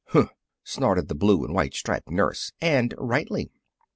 "Humph!" snorted the blue and white striped nurse, and rightly.